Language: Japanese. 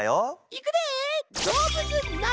いくで！